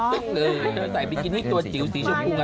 เธอใส่บิกินิตัวจิ๋วสีชมพุง